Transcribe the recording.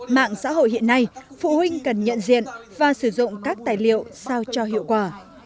mạng xã hội hiện nay phụ huynh cần nhận diện và sử dụng các tài liệu sao cho hiệu quả